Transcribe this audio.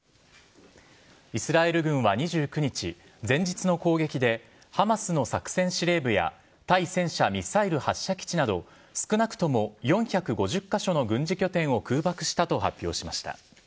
イスラエル軍は２９日、前日の攻撃で、ハマスの作戦司令部や対戦車ミサイル発射基地など、少なくとも４５０か所の軍事拠点を空爆したと発表しました。